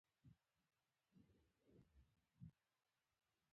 مرخیړي چی غوړو کی سره کړی خوند کوي